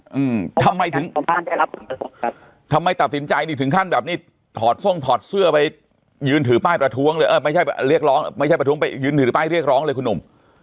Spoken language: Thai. อืมทำไมถึงท่านได้รับประท้วงครับทำไมตัดสินใจนี่ถึงขั้นแบบนี้ถอดทรงถอดเสื้อไปยืนถือป้ายประท้วงเลยเออไม่ใช่เรียกร้องไม่ใช่ประท้วงไปยืนถือป้ายเรียกร้องเลยคุณหนุ่ม